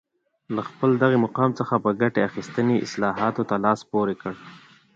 له خپل دغه مقام څخه په ګټې اخیستنې اصلاحاتو ته لاس پورې کړ